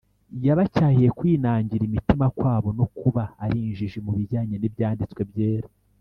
Yabacyahiye kwinangira imitima kwabo no kuba ari injiji mu bijyanye n’Ibyanditswe Byera